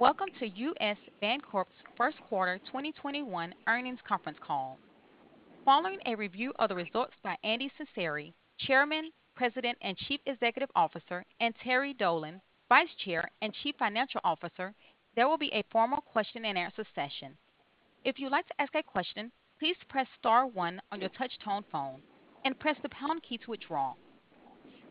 Welcome to U.S. Bancorp's first quarter 2021 Earnings Conference Call. Following a review of the results by Andy Cecere, Chairman, President, and Chief Executive Officer, and Terry Dolan, Vice Chair and Chief Financial Officer, there will be a formal question-and-answer session. If you'd like to ask a question, please press star one on your touchtone phone and press the pound key to withdraw.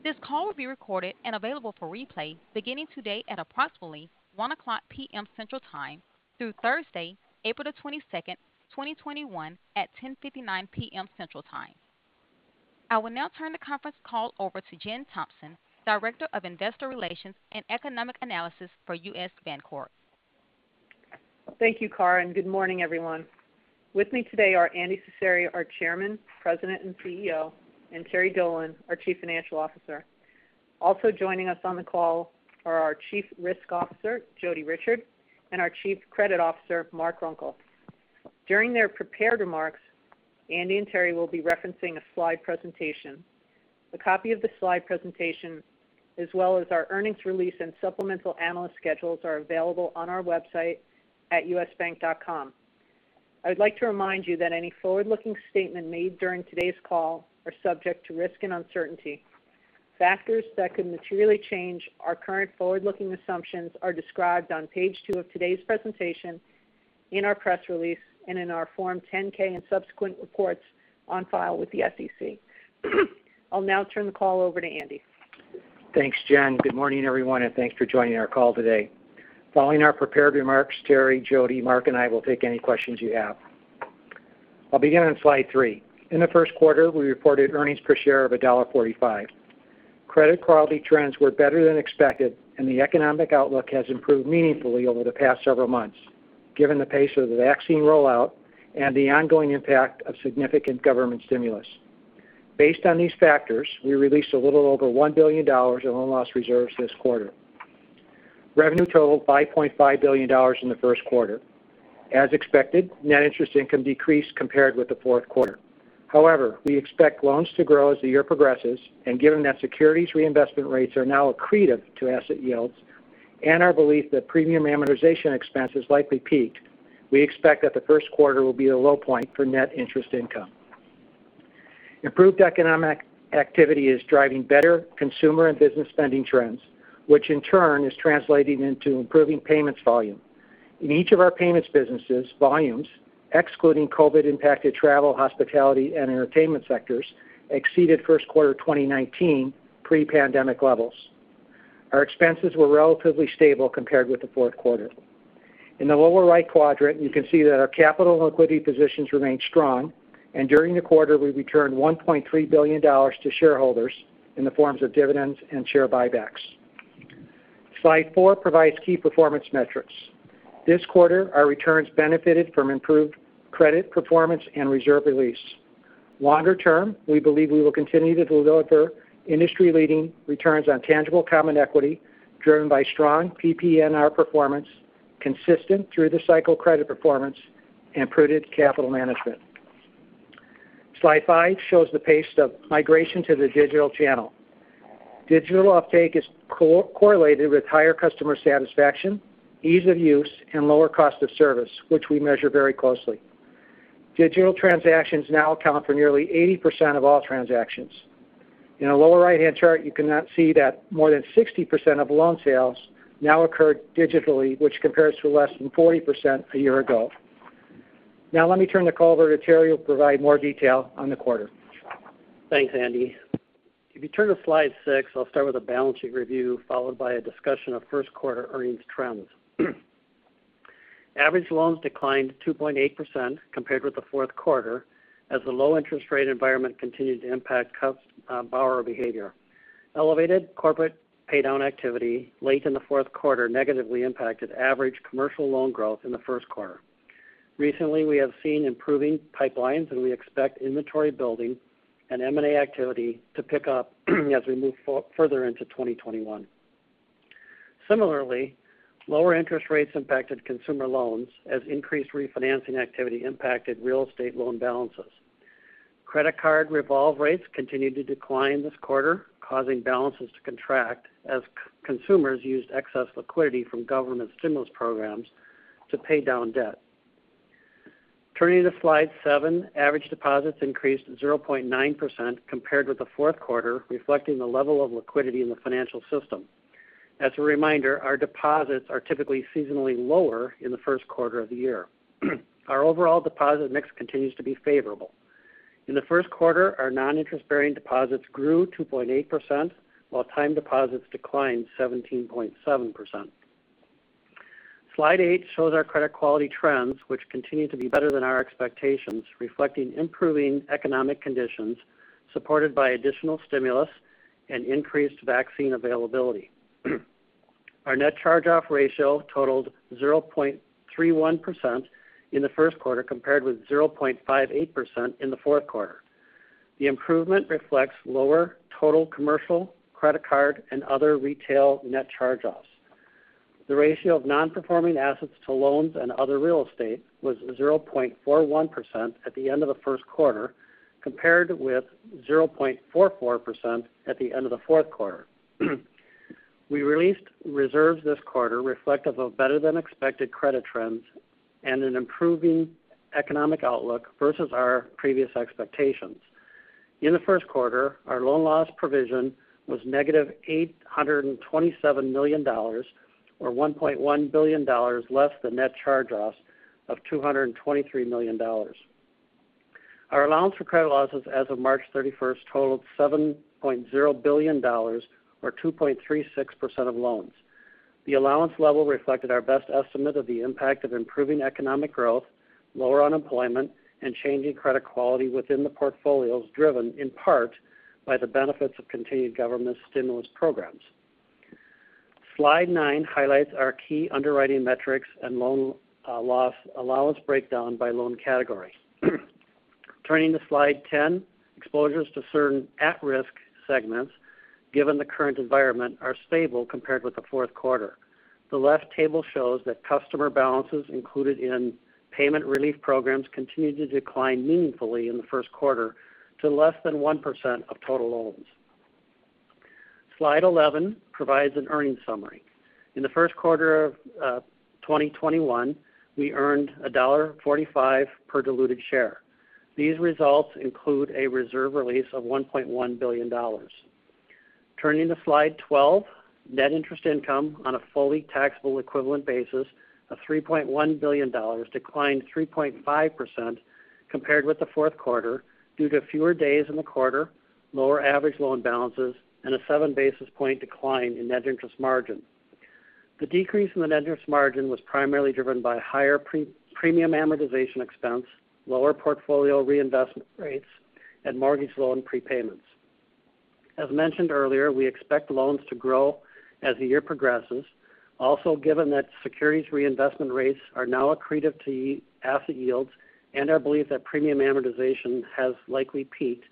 This call will be recorded and available for replay beginning today at approximately 1:00 P.M. Central Time through Thursday, April the 22nd, 2021 at 10:59 P.M. Central Time. I will now turn the conference call over to Jennifer Thompson, Director of Investor Relations and Economic Analysis for U.S. Bancorp. Thank you, Cara. Good morning, everyone. With me today are Andy Cecere, our Chairman, President, and CEO, and Terry Dolan, our Chief Financial Officer. Also joining us on the call are our Chief Risk Officer, Jodi Richard, and our Chief Credit Officer, Mark Runkel. During their prepared remarks, Andy and Terry will be referencing a slide presentation. A copy of the slide presentation, as well as our earnings release and supplemental analyst schedules are available on our website at usbank.com. I would like to remind you that any forward-looking statement made during today's call are subject to risk and uncertainty. Factors that could materially change our current forward-looking assumptions are described on page two of today's presentation, in our press release, and in our Form 10-K and subsequent reports on file with the SEC. I'll now turn the call over to Andy. Thanks, Jen. Good morning, everyone, and thanks for joining our call today. Following our prepared remarks, Terry, Jodi, Mark, and I will take any questions you have. I'll begin on slide three. In the first quarter, we reported earnings per share of $1.45. Credit quality trends were better than expected and the economic outlook has improved meaningfully over the past several months, given the pace of the vaccine rollout and the ongoing impact of significant government stimulus. Based on these factors, we released a little over $1 billion in loan loss reserves this quarter. Revenue totaled $5.5 billion in the first quarter. As expected, net interest income decreased compared with the fourth quarter. However, we expect loans to grow as the year progresses, and given that securities reinvestment rates are now accretive to asset yields and our belief that premium amortization expense has likely peaked, we expect that the first quarter will be a low point for net interest income. Improved economic activity is driving better consumer and business spending trends, which in turn is translating into improving payments volume. In each of our payments businesses, volumes, excluding COVID-19-impacted travel, hospitality, and entertainment sectors, exceeded first quarter 2019 pre-pandemic levels. Our expenses were relatively stable compared with the fourth quarter. In the lower right quadrant, you can see that our capital and liquidity positions remained strong, and during the quarter, we returned $1.3 billion to shareholders in the forms of dividends and share buybacks. Slide four provides key performance metrics. This quarter, our returns benefited from improved credit performance and reserve release. Longer term, we believe we will continue to deliver industry-leading returns on tangible common equity driven by strong PPNR performance, consistent through the cycle credit performance, and prudent capital management. Slide five shows the pace of migration to the digital channel. Digital uptake is correlated with higher customer satisfaction, ease of use, and lower cost of service, which we measure very closely. Digital transactions now account for nearly 80% of all transactions. In the lower right-hand chart, you can now see that more than 60% of loan sales now occur digitally, which compares to less than 40% a year ago. Now let me turn the call over to Terry who will provide more detail on the quarter. Thanks, Andy. If you turn to slide six, I will start with a balancing review followed by a discussion of first quarter earnings trends. Average loans declined 2.8% compared with the fourth quarter as the low interest rate environment continued to impact borrower behavior. Elevated corporate paydown activity late in the fourth quarter negatively impacted average commercial loan growth in the first quarter. Recently, we have seen improving pipelines, and we expect inventory building and M&A activity to pick up as we move further into 2021. Similarly, lower interest rates impacted consumer loans as increased refinancing activity impacted real estate loan balances. Credit card revolve rates continued to decline this quarter, causing balances to contract as consumers used excess liquidity from government stimulus programs to pay down debt. Turning to slide seven, average deposits increased 0.9% compared with the fourth quarter, reflecting the level of liquidity in the financial system. As a reminder, our deposits are typically seasonally lower in the first quarter of the year. Our overall deposit mix continues to be favorable. In the first quarter, our non-interest-bearing deposits grew 2.8%, while time deposits declined 17.7%. Slide eight shows our credit quality trends, which continue to be better than our expectations, reflecting improving economic conditions supported by additional stimulus and increased vaccine availability. Our net charge-off ratio totaled 0.31% in the first quarter compared with 0.58% in the fourth quarter. The improvement reflects lower total commercial credit card and other retail net charge-offs. The ratio of non-performing assets to loans and other real estate was 0.41% at the end of the first quarter, compared with 0.44% at the end of the fourth quarter. We released reserves this quarter reflective of better than expected credit trends and an improving economic outlook versus our previous expectations. In the first quarter, our loan loss provision was negative $827 million, or $1.1 billion less than net charge-offs of $223 million. Our allowance for credit losses as of March 31st totaled $7.0 billion, or 2.36% of loans. The allowance level reflected our best estimate of the impact of improving economic growth, lower unemployment, and changing credit quality within the portfolios, driven in part by the benefits of continued government stimulus programs. Slide nine highlights our key underwriting metrics and loan loss allowance breakdown by loan category. Turning to slide 10, exposures to certain at-risk segments, given the current environment, are stable compared with the fourth quarter. The left table shows that customer balances included in payment relief programs continued to decline meaningfully in the first quarter to less than 1% of total loans. Slide 11 provides an earnings summary. In the first quarter of 2021, we earned $1.45 per diluted share. These results include a reserve release of $1.1 billion. Turning to slide 12, net interest income on a fully taxable equivalent basis of $3.1 billion declined 3.5% compared with the fourth quarter due to fewer days in the quarter, lower average loan balances, and a seven basis point decline in net interest margin. The decrease in the net interest margin was primarily driven by higher premium amortization expense, lower portfolio reinvestment rates, and mortgage loan prepayments. As mentioned earlier, we expect loans to grow as the year progresses. Also, given that securities reinvestment rates are now accretive to asset yields and our belief that premium amortization has likely peaked,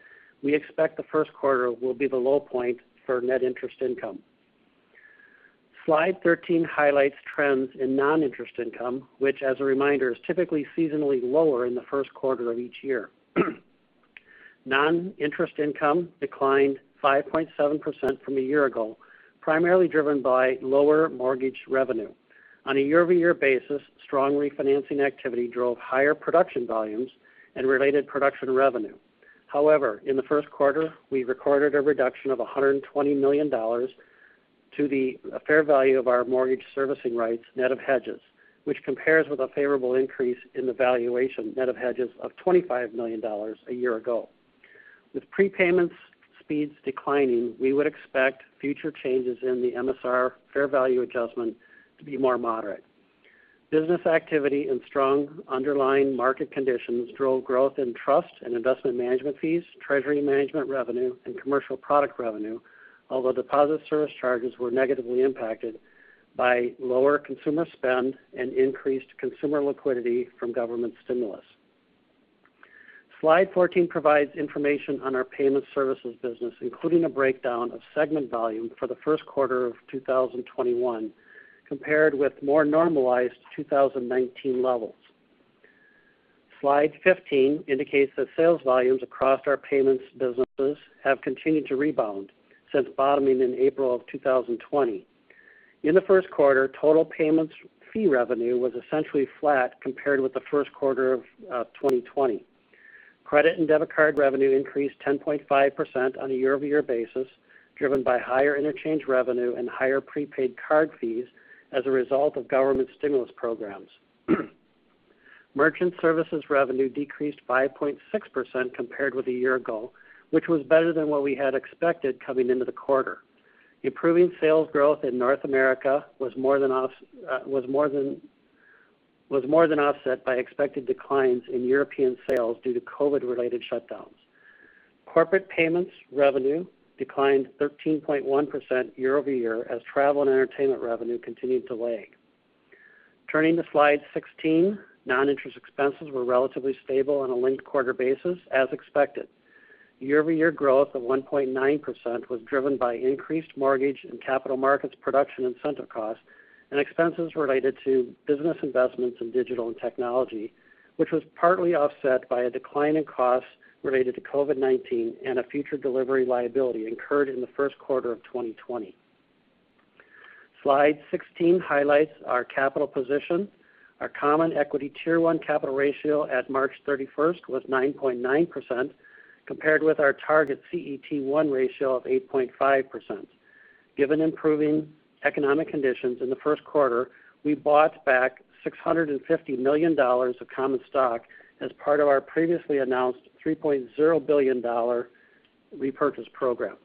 we expect the first quarter will be the low point for net interest income. Slide 13 highlights trends in non-interest income, which as a reminder, is typically seasonally lower in the first quarter of each year. Non-interest income declined 5.7% from a year ago, primarily driven by lower mortgage revenue. On a year-over-year basis, strong refinancing activity drove higher production volumes and related production revenue. However, in the first quarter, we recorded a reduction of $120 million to the fair value of our mortgage servicing rights net of hedges, which compares with a favorable increase in the valuation net of hedges of $25 million a year ago. With prepayment speeds declining, we would expect future changes in the MSR fair value adjustment to be more moderate. Business activity and strong underlying market conditions drove growth in trust and investment management fees, treasury management revenue, and commercial product revenue. Although deposit service charges were negatively impacted by lower consumer spend and increased consumer liquidity from government stimulus. Slide 14 provides information on our payment services business, including a breakdown of segment volume for the first quarter of 2021 compared with more normalized 2019 levels. Slide 15 indicates that sales volumes across our payments businesses have continued to rebound since bottoming in April of 2020. In the first quarter, total payments fee revenue was essentially flat compared with the first quarter of 2020. Credit and debit card revenue increased 10.5% on a year-over-year basis, driven by higher interchange revenue and higher prepaid card fees as a result of government stimulus programs. Merchant services revenue decreased 5.6% compared with a year ago, which was better than what we had expected coming into the quarter. Improving sales growth in North America was more than offset by expected declines in European sales due to COVID-related shutdowns. Corporate payments revenue declined 13.1% year-over-year as travel and entertainment revenue continued to lag. Turning to slide 16, non-interest expenses were relatively stable on a linked quarter basis, as expected. Year-over-year growth of 1.9% was driven by increased mortgage and capital markets production incentive costs and expenses related to business investments in digital and technology, which was partly offset by a decline in costs related to COVID-19 and a future delivery liability incurred in the first quarter of 2020. Slide 16 highlights our capital position. Our common equity Tier 1 capital ratio at March 31st was 9.9%, compared with our target CET1 ratio of 8.5%. Given improving economic conditions in the first quarter, we bought back $650 million of common stock as part of our previously announced $3.0 billion repurchase program.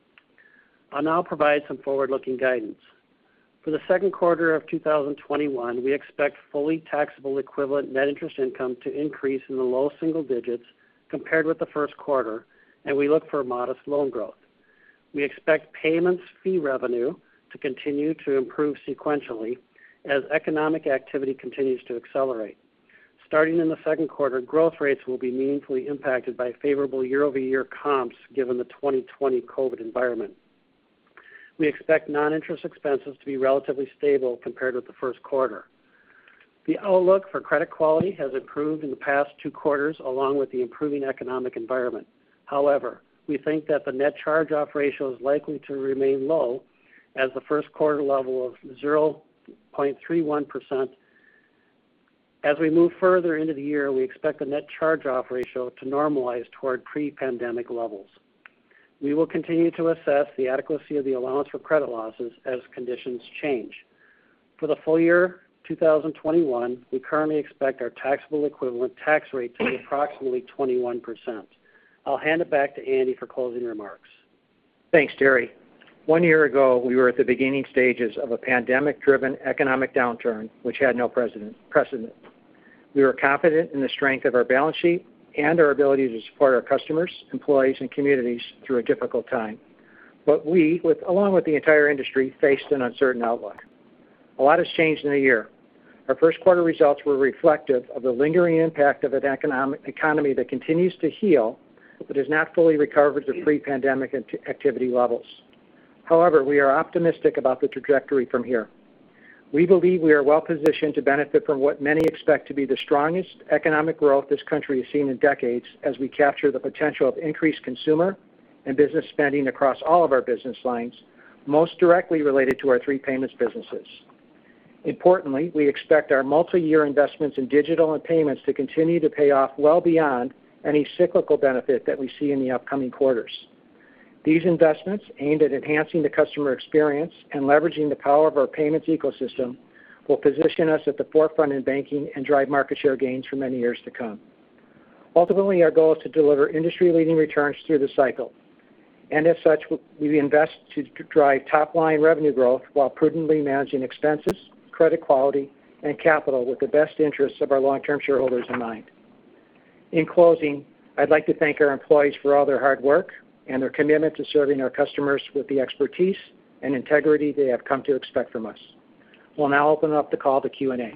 I'll now provide some forward-looking guidance. For the second quarter of 2021, we expect fully taxable equivalent net interest income to increase in the low single digits compared with the first quarter, and we look for modest loan growth. We expect payments fee revenue to continue to improve sequentially as economic activity continues to accelerate. Starting in the second quarter, growth rates will be meaningfully impacted by favorable year-over-year comps given the 2020 COVID environment. We expect non-interest expenses to be relatively stable compared with the first quarter. The outlook for credit quality has improved in the past two quarters, along with the improving economic environment. However, we think that the net charge-off ratio is likely to remain low as the first quarter level of 0.31%. As we move further into the year, we expect the net charge-off ratio to normalize toward pre-pandemic levels. We will continue to assess the adequacy of the allowance for credit losses as conditions change. For the full year 2021, we currently expect our taxable equivalent tax rate to be approximately 21%. I'll hand it back to Andy for closing remarks. Thanks, Terry. One year ago, we were at the beginning stages of a pandemic-driven economic downturn, which had no precedent. We were confident in the strength of our balance sheet and our ability to support our customers, employees, and communities through a difficult time. We, along with the entire industry, faced an uncertain outlook. A lot has changed in a year. Our first quarter results were reflective of the lingering impact of an economy that continues to heal but has not fully recovered to pre-pandemic activity levels. However, we are optimistic about the trajectory from here. We believe we are well-positioned to benefit from what many expect to be the strongest economic growth this country has seen in decades, as we capture the potential of increased consumer and business spending across all of our business lines, most directly related to our three payments businesses. Importantly, we expect our multi-year investments in digital and payments to continue to pay off well beyond any cyclical benefit that we see in the upcoming quarters. These investments, aimed at enhancing the customer experience and leveraging the power of our payments ecosystem, will position us at the forefront in banking and drive market share gains for many years to come. Ultimately, our goal is to deliver industry-leading returns through the cycle. As such, we invest to drive top-line revenue growth while prudently managing expenses, credit quality, and capital with the best interests of our long-term shareholders in mind. In closing, I'd like to thank our employees for all their hard work and their commitment to serving our customers with the expertise and integrity they have come to expect from us. We'll now open up the call to Q&A.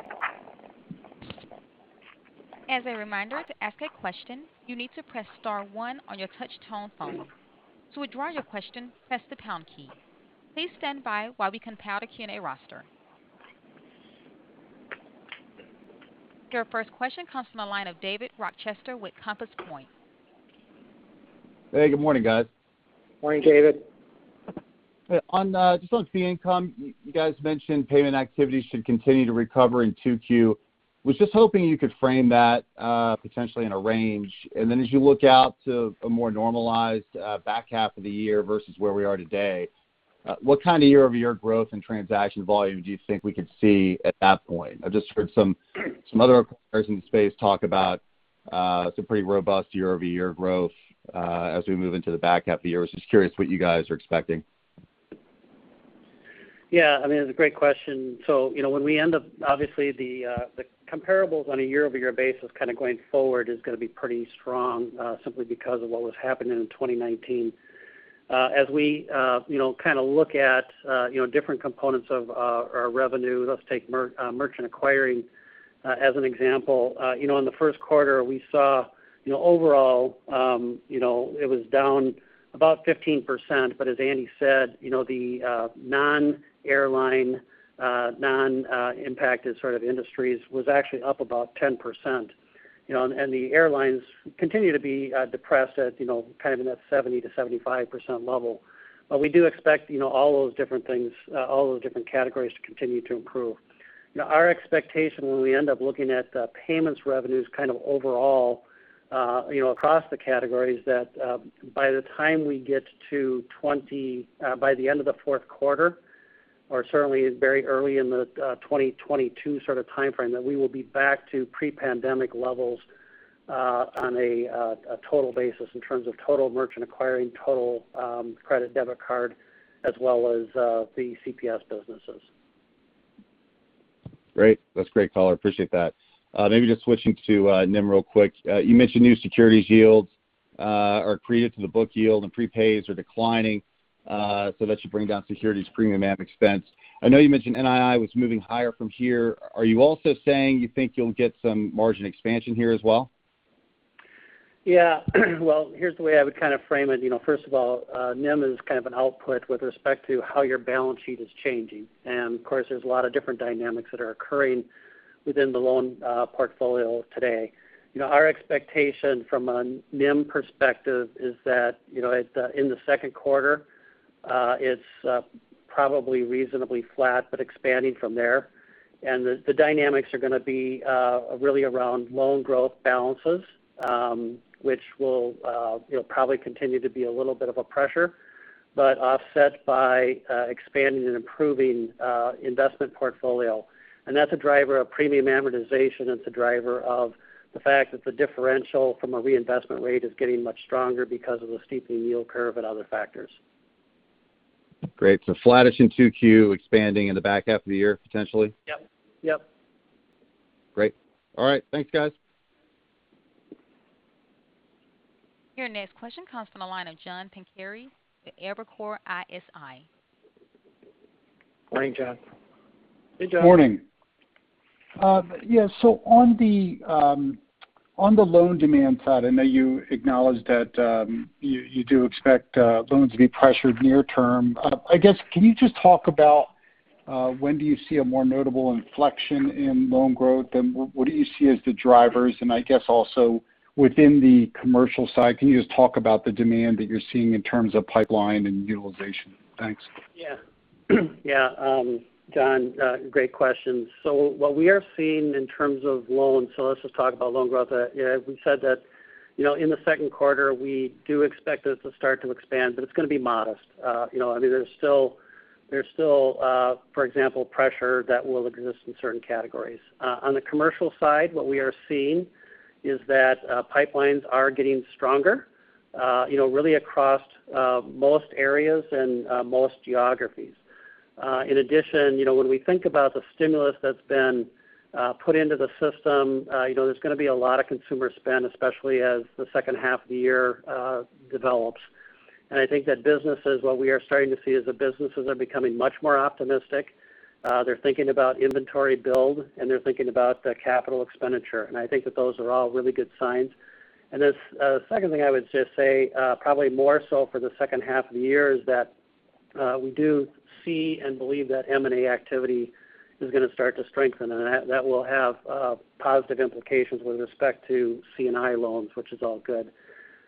As a reminder, to ask a question, you need to press star one on your touch-tone phone. To withdraw your question, press the pound key. Please stand by while we compile the Q&A roster. Your first question comes from the line of David Rochester with Compass Point. Hey, good morning, guys. Morning, David. Just on fee income, you guys mentioned payment activity should continue to recover in 2Q. I was just hoping you could frame that potentially in a range. As you look out to a more normalized back half of the year versus where we are today, what kind of year-over-year growth and transaction volume do you think we could see at that point? I've just heard some other competitors in the space talk about some pretty robust year-over-year growth as we move into the back half of the year. I was just curious what you guys are expecting. Yeah, it's a great question. When we obviously the comparables on a year-over-year basis kind of going forward is going to be pretty strong simply because of what was happening in 2019. As we look at different components of our revenue, let's take merchant acquiring as an example. In the first quarter, we saw overall it was down about 15%, but as Andy said, the non-airline, non-impacted sort of industries was actually up about 10%. The airlines continue to be depressed at kind of in that 70%-75% level. We do expect all those different things, all those different categories to continue to improve. Our expectation when we end up looking at the payments revenues kind of overall across the categories, that by the time we get to the end of the fourth quarter, or certainly very early in the 2022 sort of timeframe, that we will be back to pre-pandemic levels on a total basis in terms of total merchant acquiring, total credit, debit card, as well as the CPS businesses. Great. That's great color. Appreciate that. Maybe just switching to NIM real quick. You mentioned new securities yields are accretive to the book yield and prepays are declining, so that should bring down securities premium and expense. I know you mentioned NII was moving higher from here. Are you also saying you think you'll get some margin expansion here as well? Yeah. Well, here's the way I would kind of frame it. First of all, NIM is kind of an output with respect to how your balance sheet is changing. Of course, there's a lot of different dynamics that are occurring within the loan portfolio today. Our expectation from a NIM perspective is that in the second quarter it's probably reasonably flat, but expanding from there. The dynamics are going to be really around loan growth balances, which will probably continue to be a little bit of a pressure, but offset by expanding and improving investment portfolio. That's a driver of premium amortization. It's a driver of the fact that the differential from a reinvestment rate is getting much stronger because of the steepening yield curve and other factors. Great. Flattish in 2Q, expanding in the back half of the year, potentially? Yep. Great. All right. Thanks, guys. Your next question comes from the line of John Pancari with Evercore ISI. Morning, John. Hey, John. Morning. Yeah. On the loan demand side, I know you acknowledged that you do expect loans to be pressured near term. I guess, can you just talk about when do you see a more notable inflection in loan growth, and what do you see as the drivers? I guess also within the commercial side, can you just talk about the demand that you're seeing in terms of pipeline and utilization? Thanks. Yeah. John, great questions. What we are seeing in terms of loans, let's just talk about loan growth. We said that in the second quarter, we do expect this to start to expand, but it's going to be modest. There's still, for example, pressure that will exist in certain categories. On the commercial side, what we are seeing is that pipelines are getting stronger really across most areas and most geographies. In addition, when we think about the stimulus that's been put into the system, there's going to be a lot of consumer spend, especially as the second half of the year develops. I think that what we are starting to see is that businesses are becoming much more optimistic. They're thinking about inventory build, and they're thinking about capital expenditure. I think that those are all really good signs. The second thing I would just say probably more so for the second half of the year is that we do see and believe that M&A activity is going to start to strengthen, and that will have positive implications with respect to C&I loans, which is all good.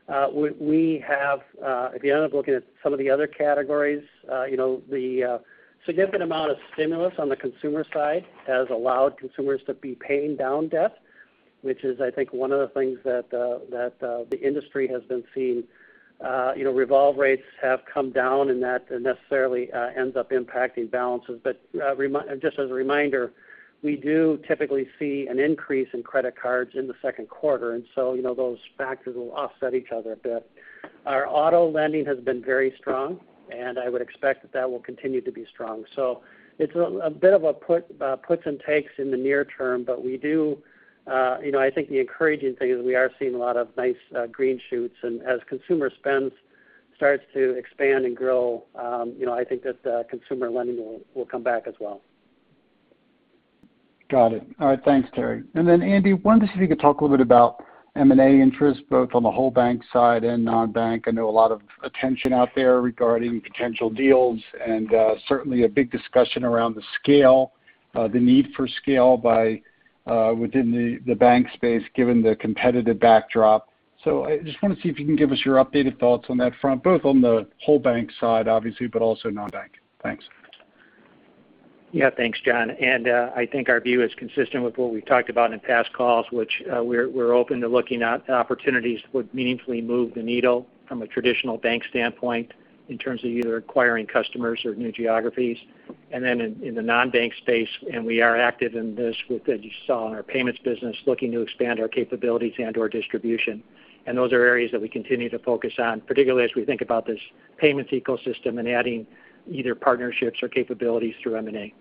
If you end up looking at some of the other categories, the significant amount of stimulus on the consumer side has allowed consumers to be paying down debt, which is, I think, one of the things that the industry has been seeing. Revolve rates have come down, and that necessarily ends up impacting balances. Just as a reminder, we do typically see an increase in credit cards in the second quarter, and so those factors will offset each other a bit. Our auto lending has been very strong, and I would expect that that will continue to be strong. It's a bit of a puts and takes in the near term, but I think the encouraging thing is we are seeing a lot of nice green shoots. As consumer spend starts to expand and grow, I think that consumer lending will come back as well. Got it. All right. Thanks, Terry. Andy, wanted to see if you could talk a little bit about M&A interest, both on the whole bank side and non-bank. I know a lot of attention out there regarding potential deals and certainly a big discussion around the scale, the need for scale within the bank space given the competitive backdrop. I just want to see if you can give us your updated thoughts on that front, both on the whole bank side obviously, but also non-bank. Thanks. Yeah. Thanks, John. I think our view is consistent with what we've talked about in past calls, which we're open to looking at opportunities that would meaningfully move the needle from a traditional bank standpoint in terms of either acquiring customers or new geographies. In the non-bank space, we are active in this as you saw in our payments business, looking to expand our capabilities and our distribution. Those are areas that we continue to focus on, particularly as we think about this payments ecosystem and adding either partnerships or capabilities through M&A.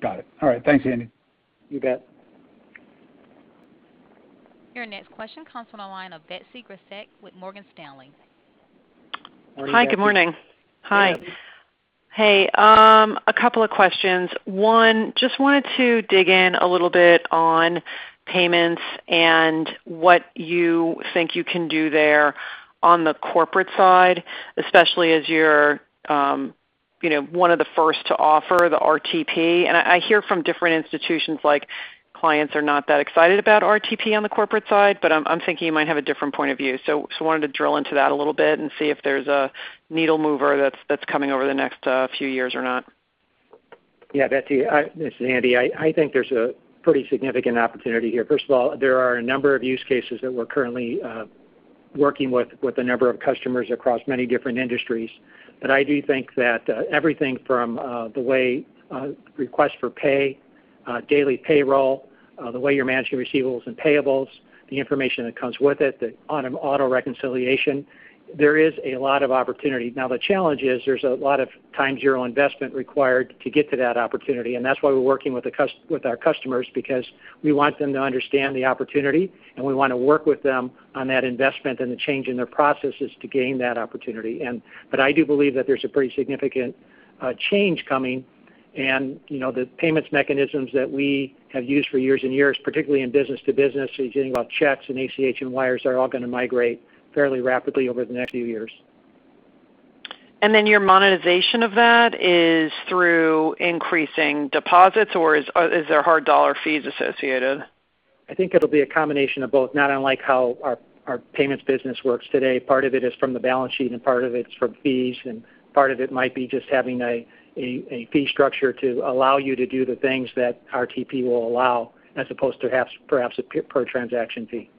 Got it. All right. Thanks, Andy. You bet. Your next question comes from the line of Betsy Graseck with Morgan Stanley. Morning, Betsy. Hi, good morning. Hi. Hey, a couple of questions. Just wanted to dig in a little bit on payments and what you think you can do there on the corporate side, especially as you're one of the first to offer the RTP. I hear from different institutions like clients are not that excited about RTP on the corporate side, but I'm thinking you might have a different point of view. Just wanted to drill into that a little bit and see if there's a needle mover that's coming over the next few years or not. Yeah, Betsy. This is Andy. I think there's a pretty significant opportunity here. First of all, there are a number of use cases that we're currently working with a number of customers across many different industries. I do think that everything from the way Request for Pay, daily payroll, the way you're managing receivables and payables, the information that comes with it, the auto-reconciliation, there is a lot of opportunity. Now the challenge is there's a lot of times your investment required to get to that opportunity, and that's why we're working with our customers because we want them to understand the opportunity, and we want to work with them on that investment and the change in their processes to gain that opportunity. I do believe that there's a pretty significant change coming, and the payments mechanisms that we have used for years and years, particularly in business to business, so you're thinking about checks and ACH and wires, are all going to migrate fairly rapidly over the next few years. Your monetization of that is through increasing deposits, or is there hard dollar fees associated? I think it'll be a combination of both, not unlike how our payments business works today. Part of it is from the balance sheet, and part of it's from fees, and part of it might be just having a fee structure to allow you to do the things that RTP will allow, as opposed to perhaps a per transaction fee.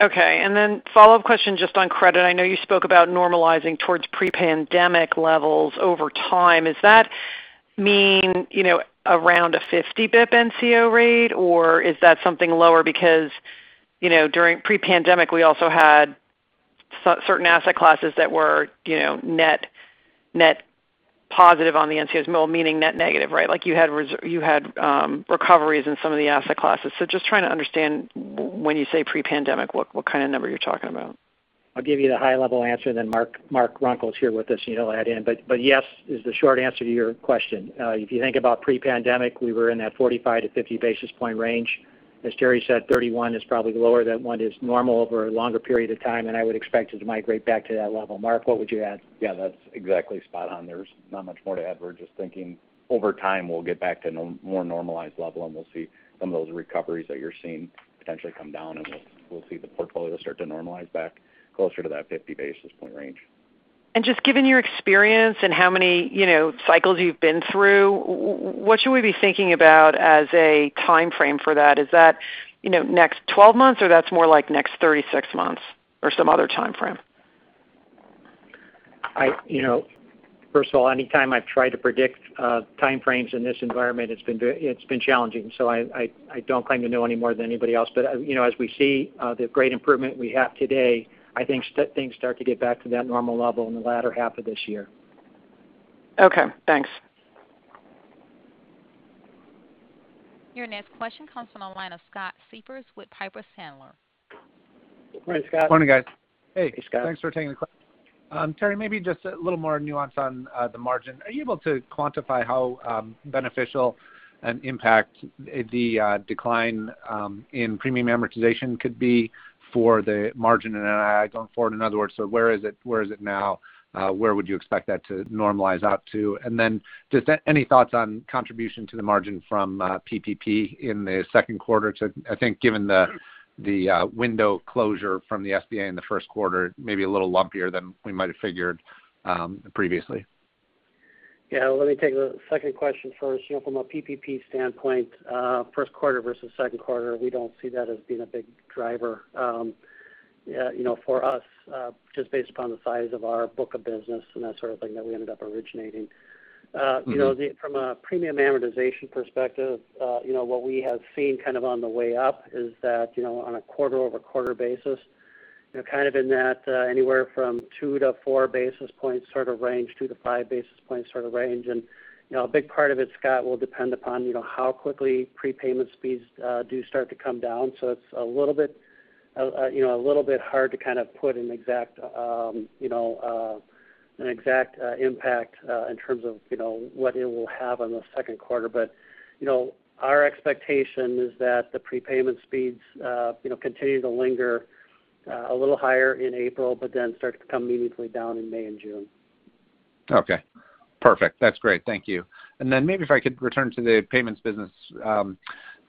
Okay. Follow-up question just on credit. I know you spoke about normalizing towards pre-pandemic levels over time. Does that mean around a 50 basis point NCO rate, or is that something lower? Pre-pandemic, we also had certain asset classes that were net positive on the NCOs, well, meaning net negative, right? You had recoveries in some of the asset classes. Just trying to understand when you say pre-pandemic, what kind of number you're talking about. I'll give you the high-level answer, then Mark Runkel's here with us, and he'll add in. Yes is the short answer to your question. If you think about pre-pandemic, we were in that 45-50 basis point range. As Terry said, 31 is probably lower than what is normal over a longer period of time, and I would expect it to migrate back to that level. Mark, what would you add? Yeah, that's exactly spot on. There's not much more to add. We're just thinking over time, we'll get back to a more normalized level, and we'll see some of those recoveries that you're seeing potentially come down, and we'll see the portfolio start to normalize back closer to that 50 basis point range. Just given your experience and how many cycles you've been through, what should we be thinking about as a timeframe for that? Is that next 12 months, or that's more like next 36 months or some other timeframe? First of all, any time I've tried to predict timeframes in this environment, it's been challenging. I don't claim to know any more than anybody else. As we see the great improvement we have today, I think things start to get back to that normal level in the latter half of this year. Okay, thanks. Your next question comes from the line of Scott Siefers with Piper Sandler. Good morning, Scott. Morning, guys. Hey, Scott. Thanks for taking the call. Terry, maybe just a little more nuance on the margin. Are you able to quantify how beneficial an impact the decline in premium amortization could be for the margin going forward? In other words, where is it now? Where would you expect that to normalize out to? Then just any thoughts on contribution to the margin from PPP in the second quarter to, I think, given the window closure from the SBA in the first quarter, maybe a little lumpier than we might have figured previously. Yeah. Let me take the second question first. From a PPP standpoint first quarter versus second quarter, we don't see that as being a big driver for us just based upon the size of our book of business and that sort of thing that we ended up originating. From a premium amortization perspective, what we have seen kind of on the way up is that on a quarter-over-quarter basis, kind of in that anywhere from two to four basis points sort of range, two to five basis points sort of range. A big part of it, Scott, will depend upon how quickly prepayment speeds do start to come down. It's a little bit hard to kind of put an exact impact in terms of what it will have on the second quarter. Our expectation is that the prepayment speeds continue to linger a little higher in April, but then start to come meaningfully down in May and June. Okay, perfect. That's great. Thank you. Then maybe if I could return to the payments business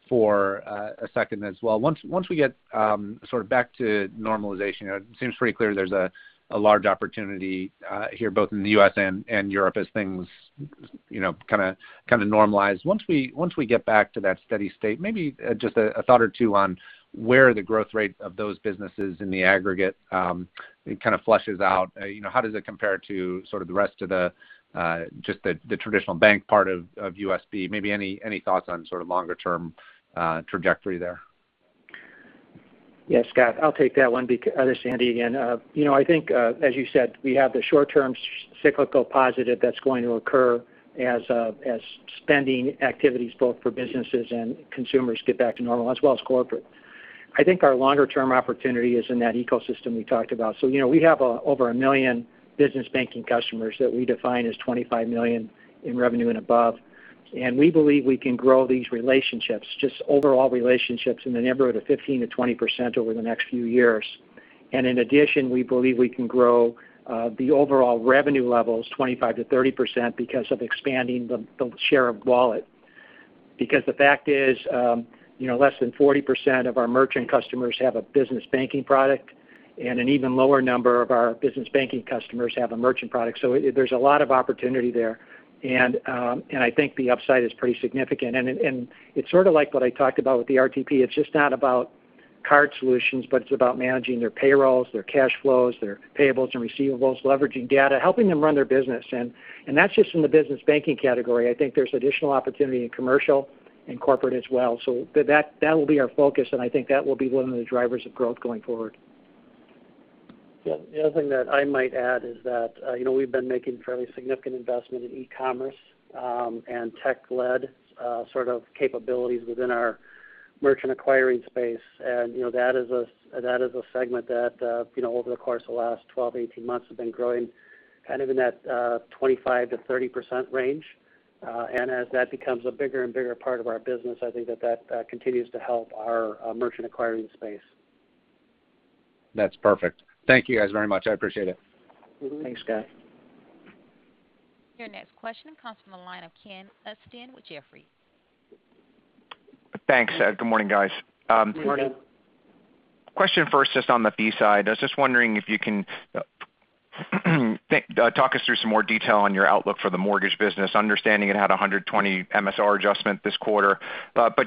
for a second as well. Once we get sort of back to normalization, it seems pretty clear there's a large opportunity here, both in the U.S. and Europe as things kind of normalize. Once we get back to that steady state, maybe just a thought or two on where the growth rate of those businesses in the aggregate kind of flushes out. How does it compare to sort of the rest of just the traditional bank part of USB? Maybe any thoughts on sort of longer-term trajectory there? Yeah, Scott, I'll take that one. This is Andy again. I think as you said, we have the short-term cyclical positive that's going to occur as spending activities both for businesses and consumers get back to normal as well as corporate. I think our longer-term opportunity is in that ecosystem we talked about. We have over 1 million business banking customers that we define as $25 million in revenue and above. We believe we can grow these relationships, just overall relationships in the neighborhood of 15%-20% over the next few years. In addition, we believe we can grow the overall revenue levels 25%-30% because of expanding the share of wallet. The fact is less than 40% of our merchant customers have a business banking product, and an even lower number of our business banking customers have a merchant product. There's a lot of opportunity there, and I think the upside is pretty significant. It's sort of like what I talked about with the RTP. It's just not about card solutions, but it's about managing their payrolls, their cash flows, their payables and receivables, leveraging data, helping them run their business. That's just in the business banking category. I think there's additional opportunity in commercial and corporate as well. That will be our focus, and I think that will be one of the drivers of growth going forward. The other thing that I might add is that we've been making fairly significant investment in e-commerce and tech-led sort of capabilities within our merchant acquiring space. That is a segment that over the course of the last 12, 18 months has been growing kind of in that 25%-30% range. As that becomes a bigger and bigger part of our business, I think that that continues to help our merchant acquiring space. That's perfect. Thank you guys very much. I appreciate it. Thanks, Scott. Your next question comes from the line of Ken Usdin with Jefferies. Thanks. Good morning, guys. Good morning. Question first, just on the fee side. I was just wondering if you can talk us through some more detail on your outlook for the mortgage business, understanding it had a $120 MSR adjustment this quarter.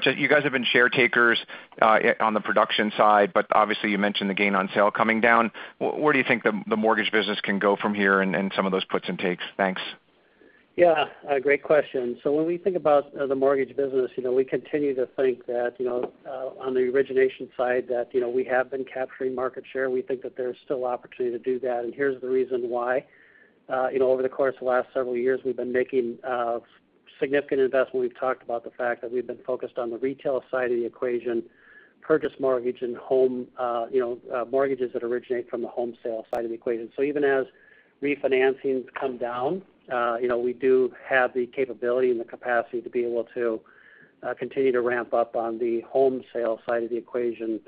You guys have been share takers on the production side, but obviously you mentioned the gain on sale coming down. Where do you think the mortgage business can go from here and some of those puts and takes? Thanks. Yeah. Great question. When we think about the mortgage business, we continue to think that on the origination side, that we have been capturing market share. We think that there's still opportunity to do that, and here's the reason why. Over the course of the last several years, we've been making significant investment. We've talked about the fact that we've been focused on the retail side of the equation, purchase mortgage and mortgages that originate from the home sale side of the equation. Even as refinancings come down, we do have the capability and the capacity to be able to continue to ramp up on the home sale side of the equation,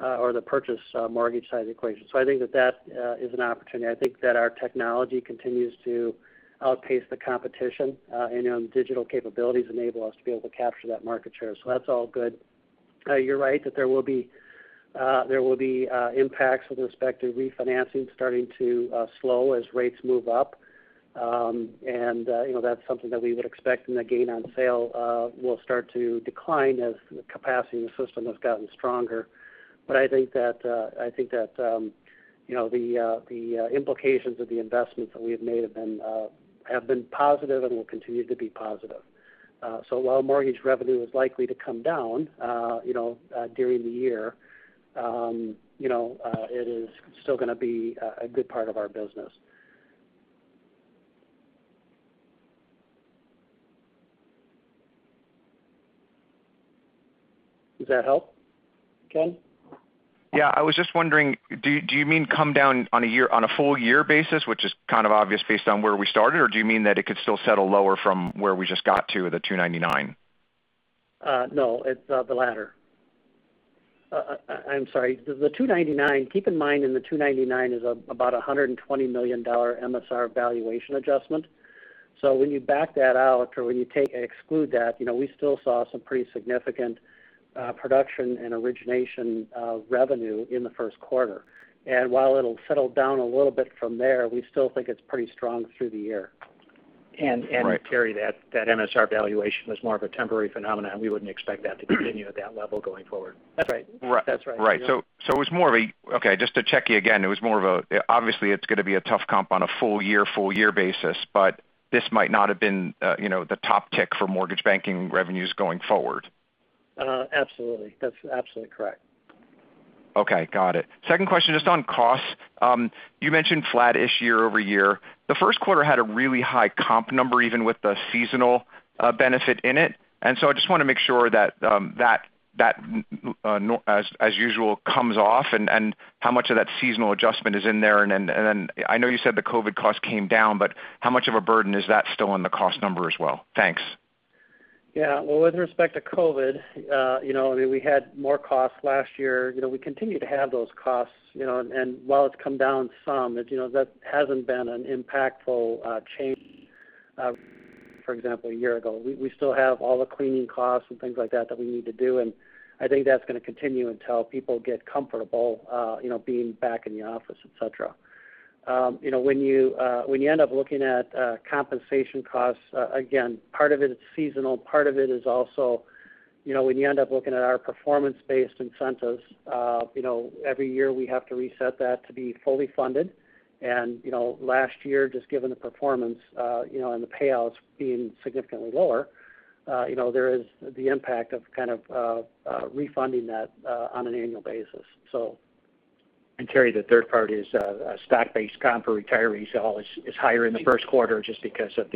or the purchase mortgage side of the equation. I think that that is an opportunity. I think that our technology continues to outpace the competition, and digital capabilities enable us to be able to capture that market share. That's all good. You're right that there will be impacts with respect to refinancing starting to slow as rates move up. That's something that we would expect, and the gain on sale will start to decline as the capacity in the system has gotten stronger. I think that the implications of the investments that we have made have been positive and will continue to be positive. While mortgage revenue is likely to come down during the year, it is still going to be a good part of our business. Does that help, Ken? Yeah, I was just wondering, do you mean come down on a full year basis, which is kind of obvious based on where we started? Or do you mean that it could still settle lower from where we just got to, the 299? No, it's the latter. I'm sorry. Keep in mind in the $299 is about $120 million MSR valuation adjustment. When you back that out or when you exclude that we still saw some pretty significant production and origination revenue in the first quarter. While it'll settle down a little bit from there, we still think it's pretty strong through the year. Terry, that MSR valuation was more of a temporary phenomenon. We wouldn't expect that to continue at that level going forward. That's right. Right. Okay, just to check you again, obviously it's going to be a tough comp on a full year basis, but this might not have been the top tick for mortgage banking revenues going forward. That's absolutely correct. Okay. Got it. Second question, just on costs. You mentioned flat-ish year-over-year. The first quarter had a really high comp number, even with the seasonal benefit in it. I just want to make sure that as usual comes off, and how much of that seasonal adjustment is in there? Then I know you said the COVID cost came down, but how much of a burden is that still on the cost number as well? Thanks. Yeah. Well, with respect to COVID, we had more costs last year. We continue to have those costs. While it's come down some, that hasn't been an impactful change, for example, a year ago. We still have all the cleaning costs and things like that that we need to do, and I think that's going to continue until people get comfortable being back in the office, et cetera. When you end up looking at compensation costs, again, part of it is seasonal, part of it is also when you end up looking at our performance-based incentives. Every year we have to reset that to be fully funded. Last year, just given the performance and the payouts being significantly lower, there is the impact of kind of refunding that on an annual basis. Terry, the third part is stock-based comp for retirees is higher in the first quarter just because that's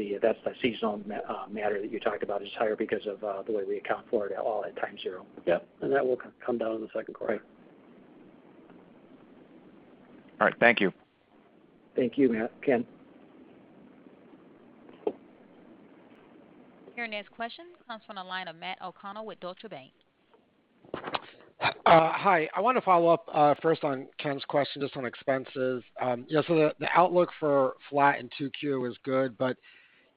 the seasonal matter that you talked about, is higher because of the way we account for it all at time zero. Yep. That will come down in the second quarter. Right. All right. Thank you. Thank you, Ken. Your next question comes from the line of Matt O'Connor with Deutsche Bank. Hi. I want to follow up first on Ken's question just on expenses. The outlook for flat in 2-Q is good, but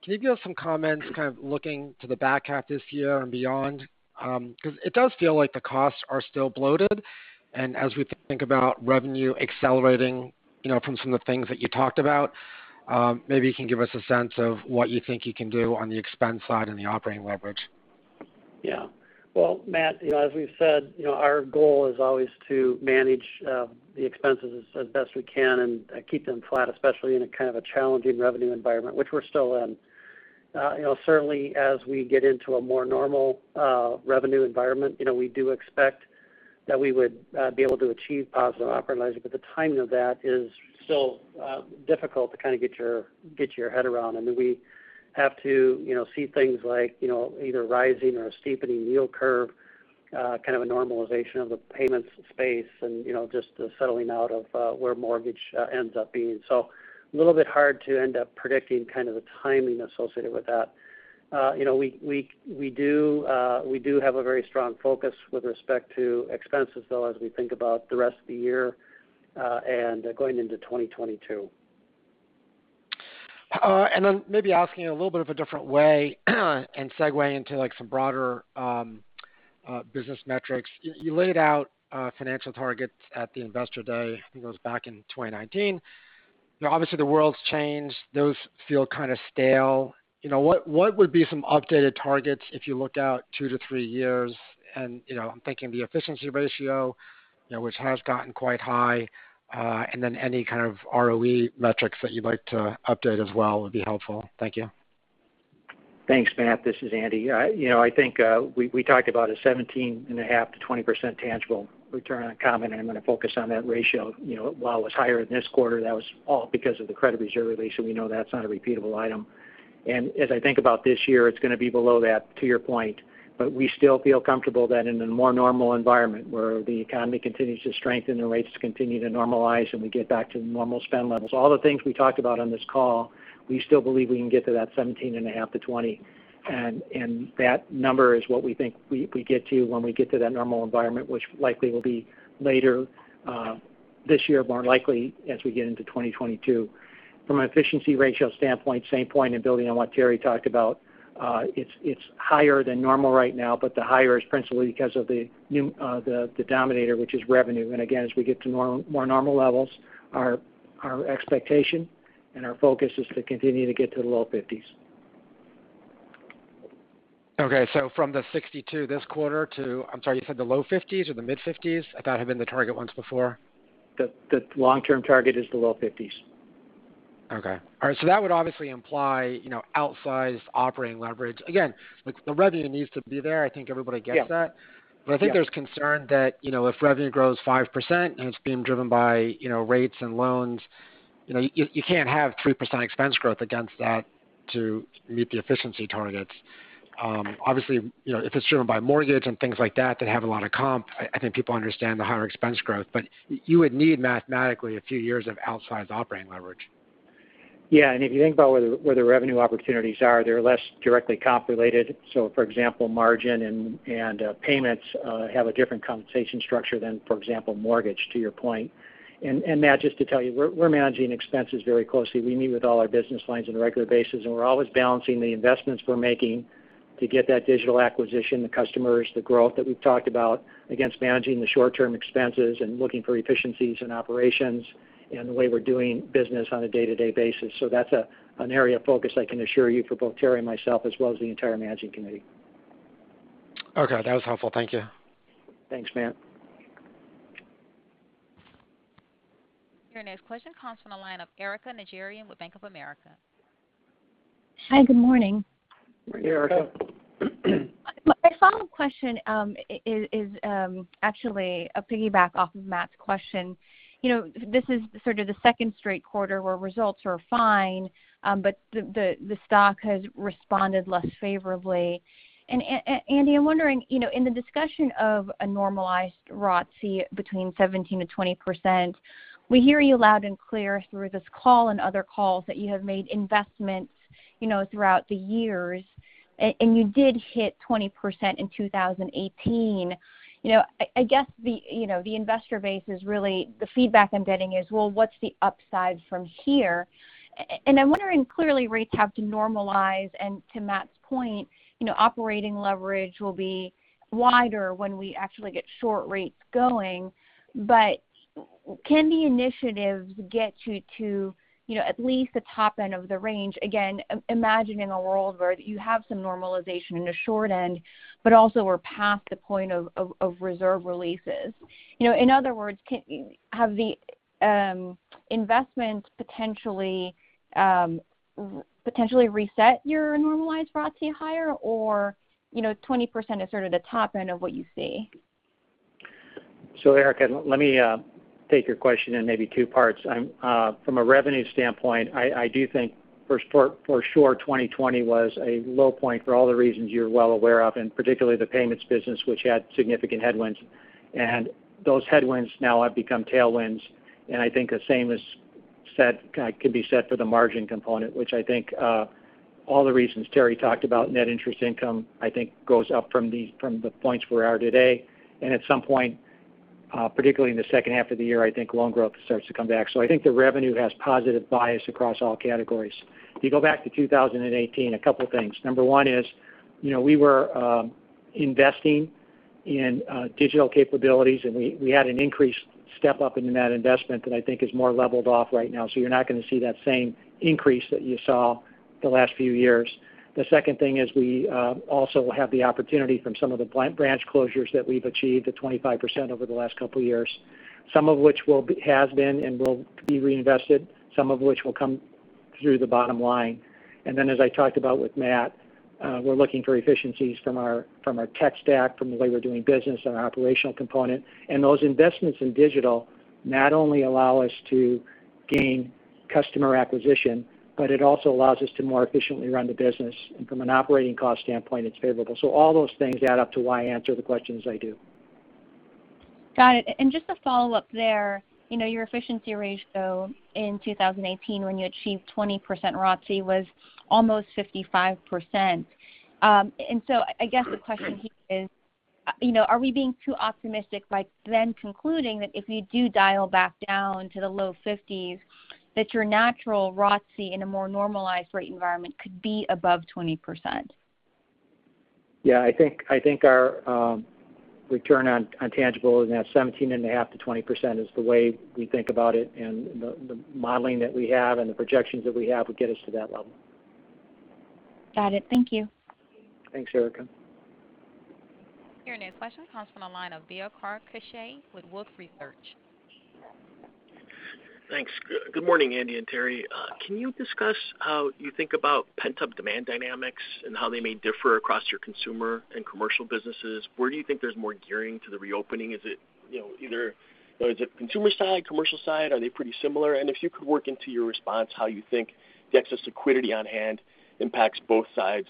can you give us some comments kind of looking to the back half this year and beyond? It does feel like the costs are still bloated. As we think about revenue accelerating from some of the things that you talked about, maybe you can give us a sense of what you think you can do on the expense side and the operating leverage. Well, Matt, as we've said our goal is always to manage the expenses as best we can and keep them flat, especially in a kind of a challenging revenue environment, which we're still in. Certainly as we get into a more normal revenue environment we do expect that we would be able to achieve positive operating leverage. The timing of that is still difficult to kind of get your head around. Then we have to see things like either rising or a steepening yield curve kind of a normalization of the payments space and just the settling out of where mortgage ends up being. A little bit hard to end up predicting kind of the timing associated with that. We do have a very strong focus with respect to expenses though, as we think about the rest of the year and going into 2022. Then maybe asking a little bit of a different way and segue into some broader business metrics. You laid out financial targets at the investor day, I think it was back in 2019. Obviously the world's changed. Those feel kind of stale. What would be some updated targets if you looked out two to three years? I'm thinking of the efficiency ratio which has gotten quite high. Then any kind of ROE metrics that you'd like to update as well would be helpful. Thank you. Thanks, Matt. This is Andy. I think we talked about a 17.5%-20% tangible return on common, I'm going to focus on that ratio. While it was higher in this quarter, that was all because of the credit reserve release, so we know that's not a repeatable item. As I think about this year, it's going to be below that, to your point. We still feel comfortable that in a more normal environment where the economy continues to strengthen and rates continue to normalize and we get back to normal spend levels, all the things we talked about on this call, we still believe we can get to that 17.5%-20%. That number is what we think we get to when we get to that normal environment, which likely will be later this year, more likely as we get into 2022. From an efficiency ratio standpoint, same point and building on what Terry talked about, it's higher than normal right now, but the higher is principally because of the denominator, which is revenue. Again, as we get to more normal levels, our expectation and our focus is to continue to get to the low 50s. Okay. From the 62 this quarter to, I'm sorry, you said the low 50s or the mid 50s? I thought it had been the target once before. The long-term target is the low 50s. Okay. All right. That would obviously imply outsized operating leverage. The revenue needs to be there. Everybody gets that. Yeah. I think there's concern that if revenue grows 5% and it's being driven by rates and loans, you can't have 3% expense growth against that to meet the efficiency targets. Obviously, if it's driven by mortgage and things like that that have a lot of comp, I think people understand the higher expense growth. You would need mathematically a few years of outsized operating leverage. Yeah. If you think about where the revenue opportunities are, they're less directly comp-related. For example, margin and payments have a different compensation structure than, for example, mortgage, to your point. Matt, just to tell you, we're managing expenses very closely. We meet with all our business lines on a regular basis, and we're always balancing the investments we're making to get that digital acquisition, the customers, the growth that we've talked about against managing the short-term expenses and looking for efficiencies in operations and the way we're doing business on a day-to-day basis. That's an area of focus I can assure you for both Terry and myself as well as the entire managing committee. Okay. That was helpful. Thank you. Thanks, Matt. Your next question comes from the line of Erika Najarian with Bank of America. Hi, good morning. Hi, Erika. My follow-up question is actually a piggyback off of Matt's question. This is sort of the second straight quarter where results are fine, but the stock has responded less favorably. Andy, I'm wondering, in the discussion of a normalized ROTCE between 17%-20%, we hear you loud and clear through this call and other calls that you have made investments throughout the years, and you did hit 20% in 2018. The feedback I'm getting is, well, what's the upside from here? I'm wondering, clearly rates have to normalize, and to Matt's point, operating leverage will be wider when we actually get short rates going. Can the initiatives get you to at least the top end of the range? Imagining a world where you have some normalization in the short end, but also we're past the point of reserve releases. In other words, have the investments potentially reset your normalized ROTCE higher, or 20% is sort of the top end of what you see? Erika, let me take your question in maybe two parts. From a revenue standpoint, I do think for sure 2020 was a low point for all the reasons you're well aware of, and particularly the payments business, which had significant headwinds. Those headwinds now have become tailwinds, and I think the same could be said for the margin component, which I think all the reasons Terry talked about, net interest income, I think goes up from the points we are today. At some point, particularly in the second half of the year, I think loan growth starts to come back. I think the revenue has positive bias across all categories. If you go back to 2018, a couple things. Number one is, we were investing in digital capabilities, and we had an increased step-up into that investment that I think is more leveled off right now. You're not going to see that same increase that you saw the last few years. The second thing is we also have the opportunity from some of the branch closures that we've achieved at 25% over the last couple years. Some of which has been and will be reinvested, some of which will come through the bottom line. As I talked about with Matt, we're looking for efficiencies from our tech stack, from the way we're doing business and our operational component. Those investments in digital not only allow us to gain customer acquisition, but it also allows us to more efficiently run the business. From an operating cost standpoint, it's favorable. All those things add up to why I answer the questions I do. Got it. Just to follow up there, your efficiency ratio in 2018 when you achieved 20% ROTCE was almost 55%. I guess the question here is, are we being too optimistic by then concluding that if you do dial back down to the low 50s, that your natural ROTCE in a more normalized rate environment could be above 20%? Yeah, I think our return on tangible is now 17.5%-20% is the way we think about it, and the modeling that we have and the projections that we have would get us to that level. Got it. Thank you. Thanks, Erika. Your next question comes from the line of Bill Carcache with Wolfe Research. Thanks. Good morning, Andy and Terry. Can you discuss how you think about pent-up demand dynamics and how they may differ across your consumer and commercial businesses? Where do you think there's more gearing to the reopening? Is it either consumer side, commercial side? Are they pretty similar? If you could work into your response how you think the excess liquidity on hand impacts both sides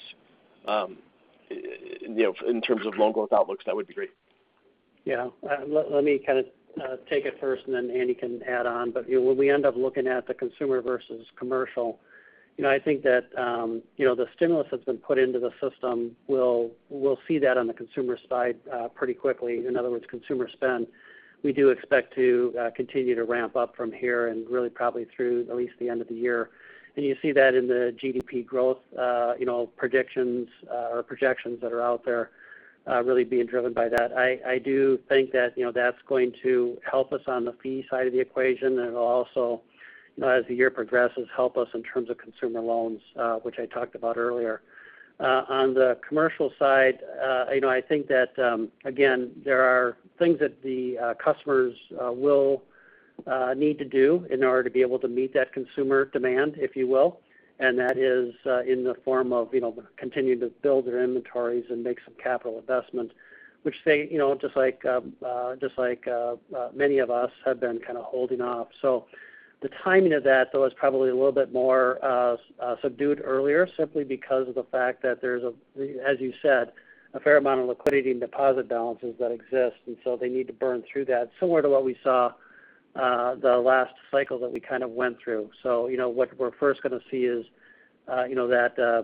in terms of loan growth outlooks, that would be great. Yeah. Let me kind of take it first, and then Andy can add on. When we end up looking at the consumer versus commercial, I think that the stimulus that's been put into the system, we'll see that on the consumer side pretty quickly. In other words, consumer spend. We do expect to continue to ramp up from here and really probably through at least the end of the year. You see that in the GDP growth predictions or projections that are out there really being driven by that. I do think that's going to help us on the fee side of the equation, and it'll also, as the year progresses, help us in terms of consumer loans, which I talked about earlier. On the commercial side, I think that, again, there are things that the customers will need to do in order to be able to meet that consumer demand, if you will, and that is in the form of continuing to build their inventories and make some capital investments, which they, just like many of us, have been kind of holding off. The timing of that, though, is probably a little bit more subdued earlier simply because of the fact that there's a, as you said, a fair amount of liquidity in deposit balances that exist, and so they need to burn through that, similar to what we saw the last cycle that we kind of went through. What we're first going to see is that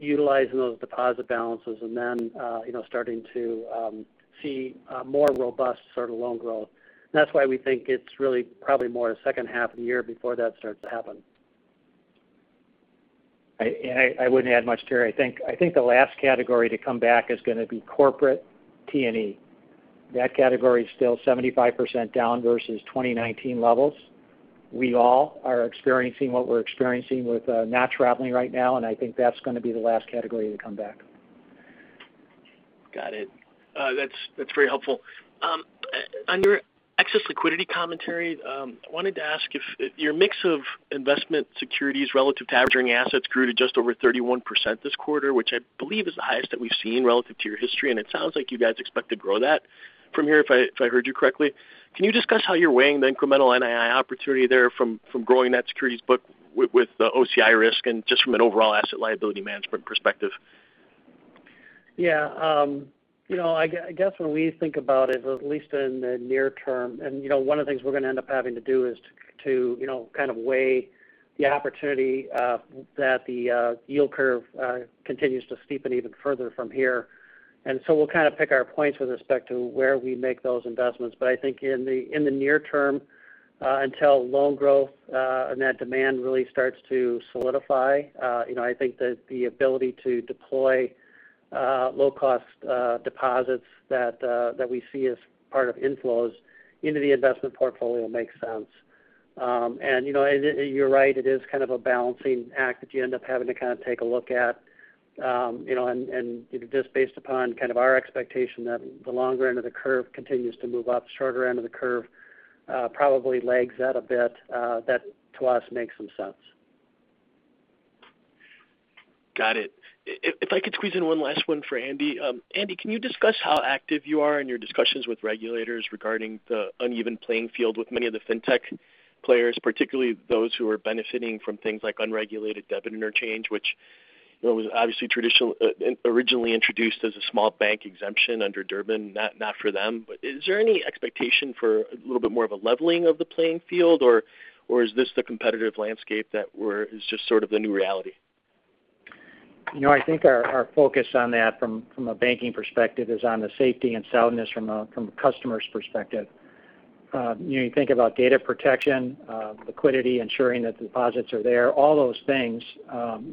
utilizing those deposit balances and then starting to see more robust sort of loan growth. That's why we think it's really probably more the second half of the year before that starts to happen. I wouldn't add much, Terry. I think the last category to come back is going to be corporate T&E. That category is still 75% down versus 2019 levels. We all are experiencing what we're experiencing with not traveling right now. I think that's going to be the last category to come back. Got it. That's very helpful. On your excess liquidity commentary, I wanted to ask if your mix of investment securities relative to average earning assets grew to just over 31% this quarter, which I believe is the highest that we've seen relative to your history, and it sounds like you guys expect to grow that from here, if I heard you correctly. Can you discuss how you're weighing the incremental NII opportunity there from growing that securities book with the OCI risk and just from an overall asset liability management perspective? I guess when we think about it, at least in the near term, one of the things we're going to end up having to do is to kind of weigh the opportunity that the yield curve continues to steepen even further from here. We'll kind of pick our points with respect to where we make those investments. I think in the near term, until loan growth and that demand really starts to solidify I think that the ability to deploy low-cost deposits that we see as part of inflows into the investment portfolio makes sense. You're right, it is kind of a balancing act that you end up having to kind of take a look at. Just based upon kind of our expectation that the longer end of the curve continues to move up, shorter end of the curve probably lags that a bit. That, to us, makes some sense. Got it. If I could squeeze in one last one for Andy. Andy, can you discuss how active you are in your discussions with regulators regarding the uneven playing field with many of the fintech players, particularly those who are benefiting from things like unregulated debit interchange, which was obviously originally introduced as a small bank exemption under Durbin, not for them. Is there any expectation for a little bit more of a leveling of the playing field, or is this the competitive landscape that is just sort of the new reality? I think our focus on that from a banking perspective is on the safety and soundness from a customer's perspective. You think about data protection, liquidity, ensuring that the deposits are there, all those things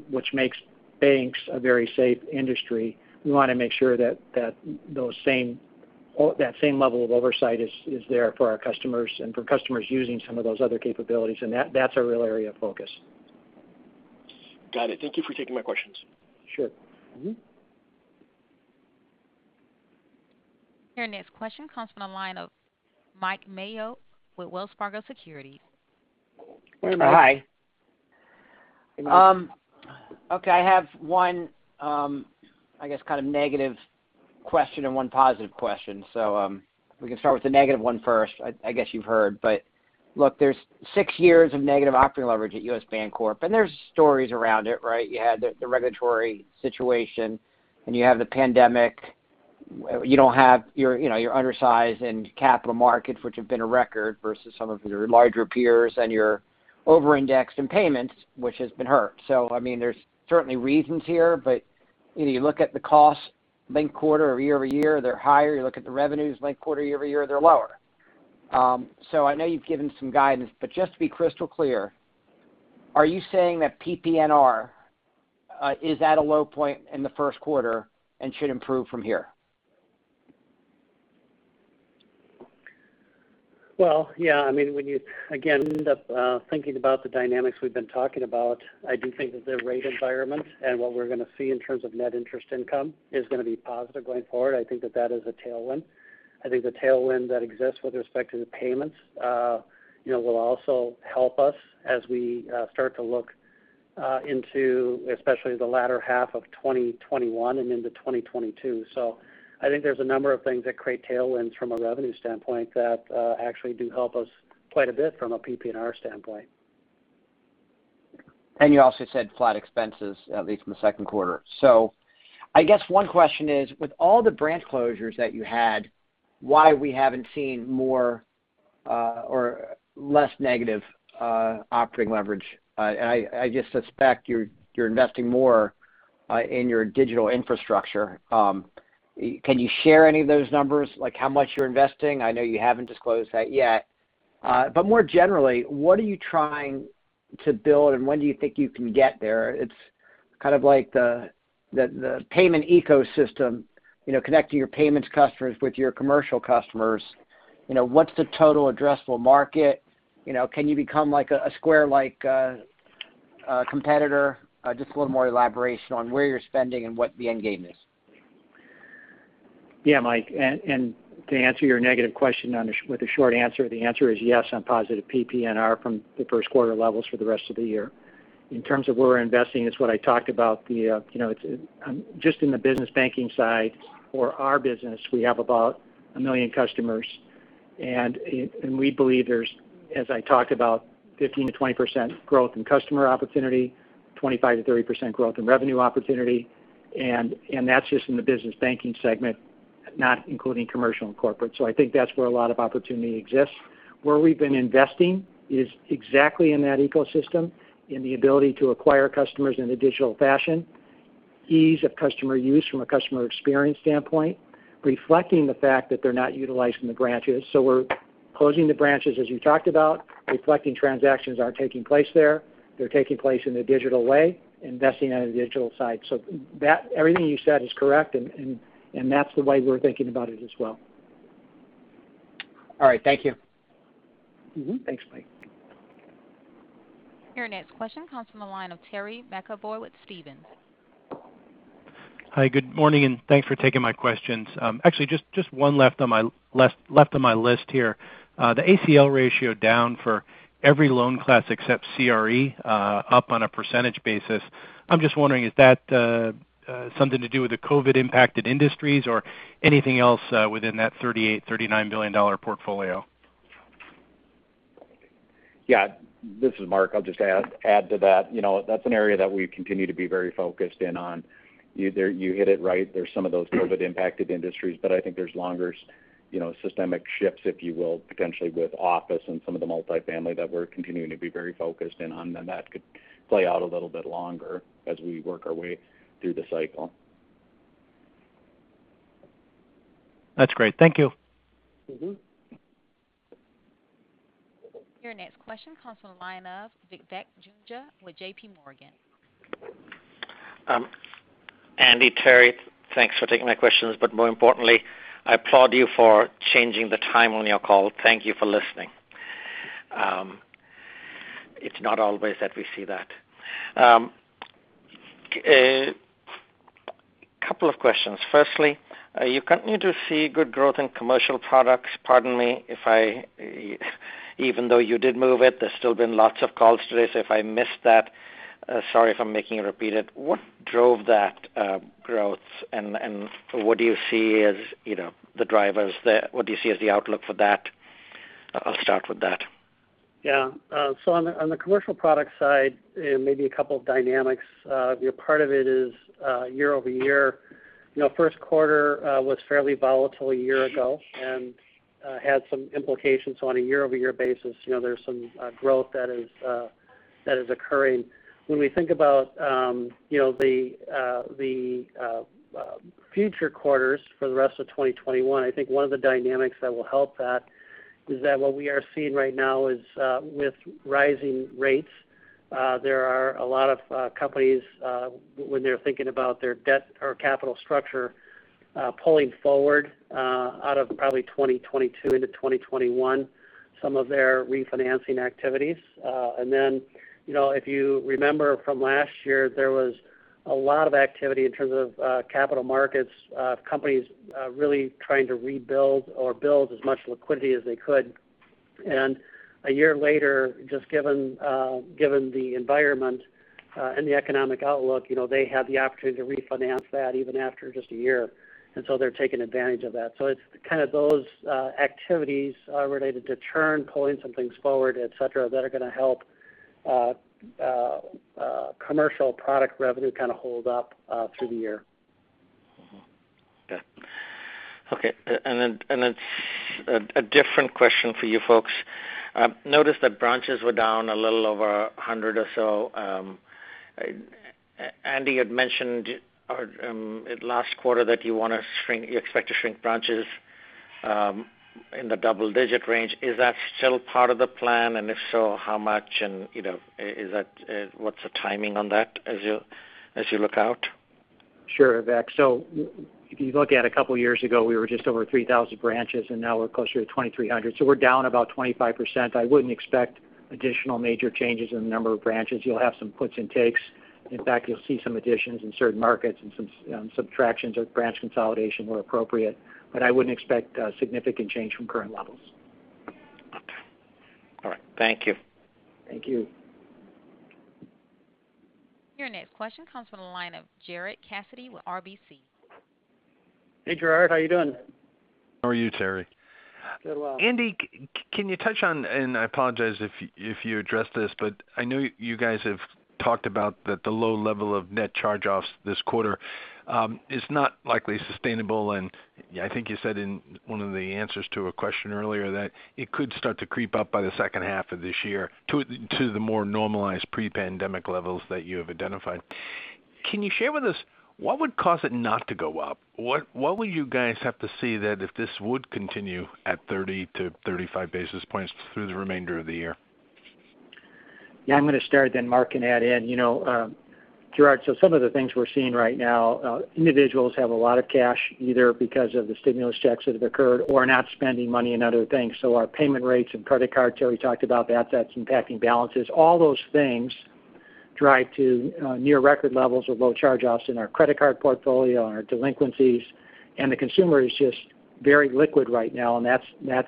which makes banks a very safe industry. We want to make sure that same level of oversight is there for our customers and for customers using some of those other capabilities, and that's a real area of focus. Got it. Thank you for taking my questions. Sure. Your next question comes from the line of Mike Mayo with Wells Fargo Securities. Go ahead, Mike. Hi. Okay. I have one I guess kind of negative question and one positive question. We can start with the negative one first. I guess you've heard. Look, there's six years of negative operating leverage at U.S. Bancorp, and there's stories around it, right? You had the regulatory situation, and you have the pandemic. You're undersized in capital markets, which have been a record versus some of your larger peers, and you're over-indexed in payments, which has been hurt. I mean, there's certainly reasons here. You look at the costs linked-quarter or year-over-year, they're higher. You look at the revenues linked-quarter, year-over-year, they're lower. I know you've given some guidance, but just to be crystal clear, are you saying that PPNR is at a low point in the first quarter and should improve from here? Well, yeah. I mean, when you, again, end up thinking about the dynamics we've been talking about, I do think that the rate environment and what we're going to see in terms of net interest income is going to be positive going forward. I think that that is a tailwind. I think the tailwind that exists with respect to the payments will also help us as we start to look into especially the latter half of 2021 and into 2022. I think there's a number of things that create tailwinds from a revenue standpoint that actually do help us quite a bit from a PPNR standpoint. You also said flat expenses, at least in the second quarter. I guess one question is, with all the branch closures that you had, why we haven't seen more or less negative operating leverage? I just suspect you're investing more in your digital infrastructure. Can you share any of those numbers, like how much you're investing? I know you haven't disclosed that yet. More generally, what are you trying to build, and when do you think you can get there? It's kind of like the payment ecosystem connecting your payments customers with your commercial customers. What's the total addressable market? Can you become like a Square-like competitor? Just a little more elaboration on where you're spending and what the end game is. Yeah, Mike. To answer your negative question with a short answer, the answer is yes on positive PPNR from the first quarter levels for the rest of the year. In terms of where we're investing, it's what I talked about. Just in the business banking side for our business, we have about 1 million customers. We believe there's, as I talked about, 15%-20% growth in customer opportunity, 25%-30% growth in revenue opportunity. That's just in the business banking segment, not including commercial and corporate. I think that's where a lot of opportunity exists. Where we've been investing is exactly in that ecosystem, in the ability to acquire customers in a digital fashion, ease of customer use from a customer experience standpoint, reflecting the fact that they're not utilizing the branches. We're closing the branches, as you talked about, reflecting transactions aren't taking place there. They're taking place in a digital way, investing on a digital side. Everything you said is correct, and that's the way we're thinking about it as well. All right. Thank you. Thanks, Mike. Your next question comes from the line of Terry McEvoy with Stephens. Hi, good morning. Thanks for taking my questions. Actually, just one left on my list here. The ACL ratio down for every loan class except CRE up on a % basis. I'm just wondering, is that something to do with the COVID-impacted industries or anything else within that $38 billion-$39 billion portfolio? Yeah. This is Mark. I'll just add to that. That's an area that we continue to be very focused in on. You hit it right. There's some of those COVID impacted industries, but I think there's longer systemic shifts, if you will, potentially with office and some of the multifamily that we're continuing to be very focused in on. That could play out a little bit longer as we work our way through the cycle. That's great. Thank you. Your next question comes from the line of Vivek Juneja with JPMorgan. Andy, Terry, thanks for taking my questions, but more importantly, I applaud you for changing the time on your call. Thank you for listening. It's not always that we see that. A couple of questions. Firstly, you continue to see good growth in commercial products. Pardon me, even though you did move it, there's still been lots of calls today. If I missed that, sorry if I'm making it repeated. What drove that growth, and what do you see as the drivers there? What do you see as the outlook for that? I'll start with that. Yeah. On the commercial product side, maybe a couple of dynamics. Part of it is year-over-year. First quarter was fairly volatile a year ago and had some implications on a year-over-year basis. There's some growth that is occurring. When we think about the future quarters for the rest of 2021, I think one of the dynamics that will help that is that what we are seeing right now is with rising rates, there are a lot of companies when they're thinking about their debt or capital structure pulling forward out of probably 2022 into 2021 some of their refinancing activities. If you remember from last year, there was a lot of activity in terms of capital markets, companies really trying to rebuild or build as much liquidity as they could. A year later, just given the environment and the economic outlook, they have the opportunity to refinance that even after just a year. They're taking advantage of that. It's kind of those activities related to churn, pulling some things forward, et cetera, that are going to help commercial product revenue kind of hold up through the year. Okay. A different question for you folks. Noticed that branches were down a little over 100 or so. Andy had mentioned last quarter that you expect to shrink branches in the double-digit range. Is that still part of the plan? If so, how much, and what's the timing on that as you look out? Sure, Vivek. If you look at a couple of years ago, we were just over 3,000 branches, and now we're closer to 2,300. I wouldn't expect additional major changes in the number of branches. You'll have some puts and takes. In fact, you'll see some additions in certain markets and some subtractions or branch consolidation where appropriate. I wouldn't expect a significant change from current levels. All right. Thank you. Thank you. Your next question comes from the line of Gerard Cassidy with RBC. Hey, Gerard, how are you doing? How are you, Terry? Good, well. Andy, can you touch on, I apologize if you addressed this, but I know you guys have talked about that the low level of net charge-offs this quarter is not likely sustainable. I think you said in one of the answers to a question earlier that it could start to creep up by the second half of this year to the more normalized pre-pandemic levels that you have identified. Can you share with us what would cause it not to go up? What will you guys have to see that if this would continue at 30 to 35 basis points through the remainder of the year? I'm going to start, then Mark can add in. Gerard, some of the things we're seeing right now, individuals have a lot of cash, either because of the stimulus checks that have occurred or not spending money on other things. Our payment rates and credit cards, Terry talked about that's impacting balances. All those things drive to near record levels of low charge-offs in our credit card portfolio, on our delinquencies. The consumer is just very liquid right now, and that's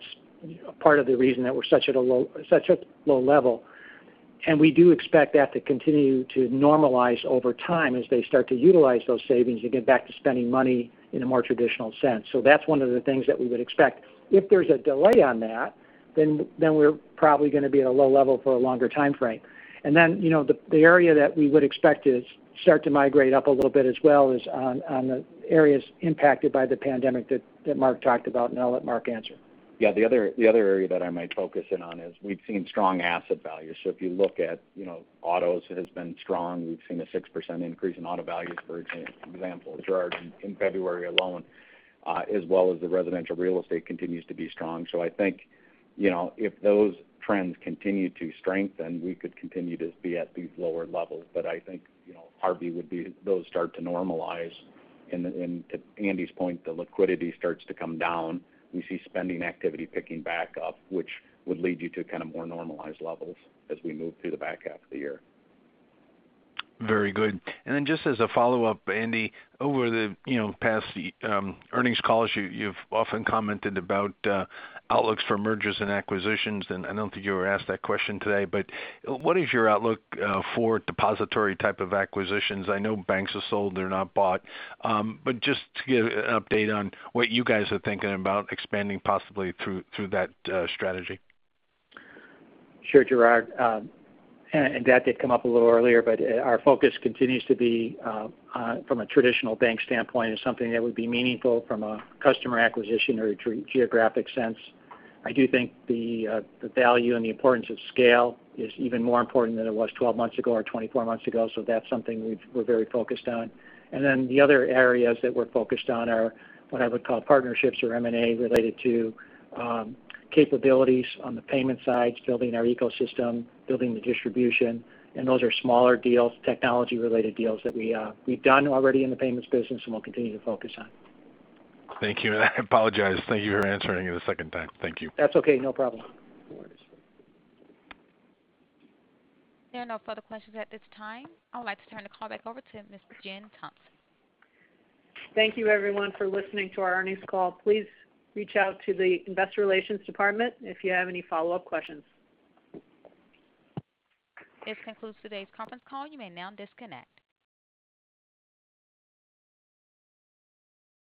part of the reason that we're such at low level. We do expect that to continue to normalize over time as they start to utilize those savings and get back to spending money in a more traditional sense. That's one of the things that we would expect. If there's a delay on that, we're probably going to be at a low level for a longer timeframe. The area that we would expect to start to migrate up a little bit as well is on the areas impacted by the pandemic that Mark talked about. I'll let Mark answer. Yeah, the other area that I might focus in on is we've seen strong asset value. If you look at autos, it has been strong. We've seen a 6% increase in auto values, for example, Gerard, in February alone as well as the residential real estate continues to be strong. I think if those trends continue to strengthen, we could continue to be at these lower levels. I think our view would be those start to normalize. To Andy's point, the liquidity starts to come down. We see spending activity picking back up, which would lead you to kind of more normalized levels as we move through the back half of the year. Very good. Just as a follow-up, Andy, over the past earnings calls, you've often commented about outlooks for mergers and acquisitions, I don't think you were asked that question today. What is your outlook for depository type of acquisitions? I know banks are sold, they're not bought. Just to give an update on what you guys are thinking about expanding possibly through that strategy. Sure, Gerard. That did come up a little earlier, but our focus continues to be from a traditional bank standpoint is something that would be meaningful from a customer acquisition or geographic sense. I do think the value and the importance of scale is even more important than it was 12 months ago or 24 months ago. That's something we're very focused on. The other areas that we're focused on are what I would call partnerships or M&A related to capabilities on the payment side, building our ecosystem, building the distribution. Those are smaller deals, technology-related deals that we've done already in the payments business and we'll continue to focus on. Thank you. I apologize. Thank you for answering it a second time. Thank you. That's okay, no problem. No worries. There are no further questions at this time. I would like to turn the call back over to Ms. Jennifer Thompson. Thank you everyone for listening to our earnings call. Please reach out to the investor relations department if you have any follow-up questions. This concludes today's conference call. You may now disconnect.